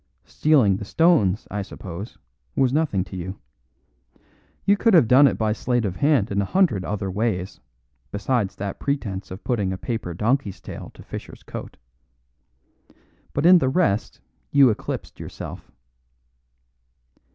Stealing the stones, I suppose, was nothing to you. You could have done it by sleight of hand in a hundred other ways besides that pretence of putting a paper donkey's tail to Fischer's coat. But in the rest you eclipsed yourself."